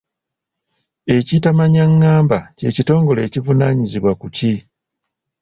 Ekitamanyangamba kye kitongole ekivunaanyizibwa ku ki?